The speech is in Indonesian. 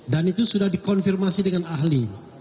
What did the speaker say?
dan itu sudah dikonfirmasi dengan ahli